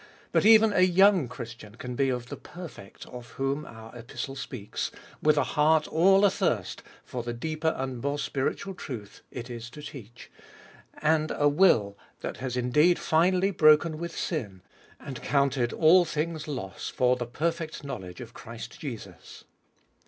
But even a young Christian can be of the perfect of whom our Epistle speaks, with a heart all athirst for the deeper and more spiritual truth it is to teach, and a will that has indeed finally broken with sin, and counted all things loss for the perfect knowledge of Christ Jesus.